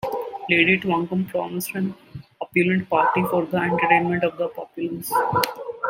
Lady Twankum promised an opulent party for the entertainment of the populace.